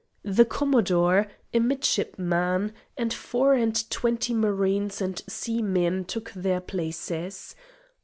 The Commodore, a midshipman, and four and twenty marines and seamen took their places.